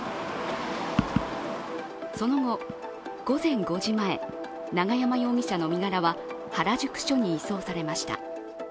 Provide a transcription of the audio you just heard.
その後、午前５時前、永山容疑者の身柄は原宿署に移送されました。